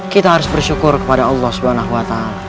kita harus bersyukur kepada allah swt